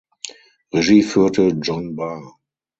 Regie führte John Barr.